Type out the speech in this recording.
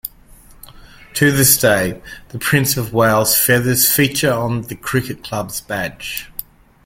To this day, the Prince of Wales's feathers feature on the cricket club's badge.